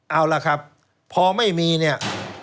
เอาล่ะครับพอไม่มีเนี่ย